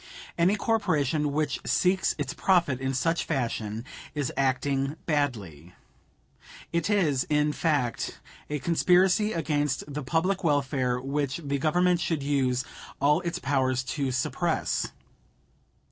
Any corporation which seeks its profit in such fashion is acting badly. It is, in fact, a conspiracy against the public welfare which the Government should use all its powers to suppress.